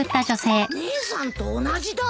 姉さんと同じだ。